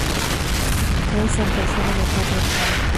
Es el tercero de cuatro hermanos.